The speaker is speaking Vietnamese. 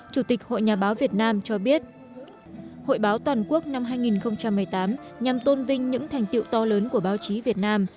chủ tịch hội nhà báo việt nam cho biết hội báo toàn quốc năm hai nghìn một mươi tám nhằm tôn vinh những thành tiệu to lớn của báo chí việt nam